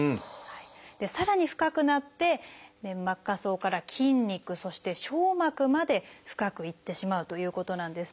さらに深くなって粘膜下層から筋肉そしてしょう膜まで深くいってしまうということなんですね。